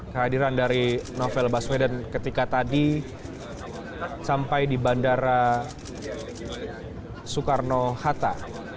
kehadiran dari novel baswedan ketika tadi sampai di bandara soekarno hatta